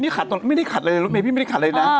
นี่ขาดตรงไม่ได้ขัดเลยรถเมย์พี่ไม่ได้ขัดเลยนะ